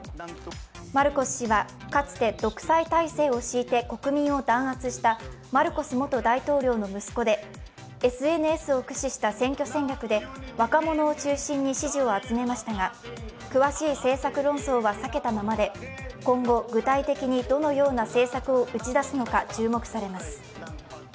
マルコス氏は、かつて独裁体制を敷いて国民を弾圧したマルコス元大統領の息子で、ＳＮＳを駆使した選挙戦略で若者を中心に支持を集めましたが詳しい政策論争は避けたままで、今後、今後、具体的にどのような政策を打ち出すのか注目されます。